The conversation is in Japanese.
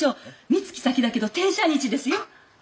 三月先だけど天赦日ですよ。